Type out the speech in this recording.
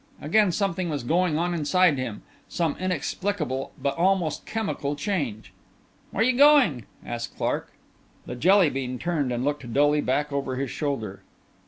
Again something was going on inside him, some inexplicable but almost chemical change. "Where you going?" asked Clark. The Jelly bean turned and looked dully back over his shoulder.